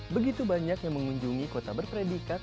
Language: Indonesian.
begitu banyak yang mengunjungi kota berpredikat